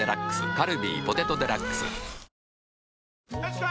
カルビー「ポテトデラックス」よしこい！